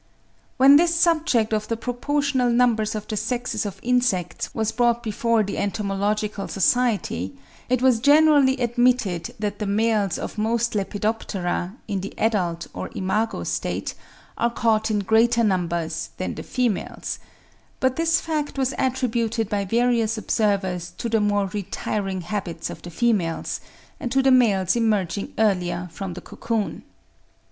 When this subject of the proportional numbers of the sexes of insects was brought before the Entomological Society (79. 'Proceedings, Entomological Society,' Feb. 17, 1868.), it was generally admitted that the males of most Lepidoptera, in the adult or imago state, are caught in greater numbers than the females: but this fact was attributed by various observers to the more retiring habits of the females, and to the males emerging earlier from the cocoon.